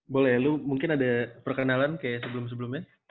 boleh lu mungkin ada perkenalan kayak sebelum sebelumnya